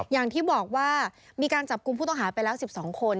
อย่างที่บอกว่ามีการจับกลุ่มผู้ต้องหาไปแล้ว๑๒คน